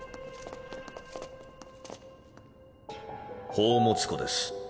宝物庫です。